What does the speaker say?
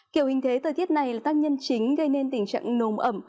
kiểu hình thế thời tiết này là tác nhân chính gây nên tình trạng nồm ẩm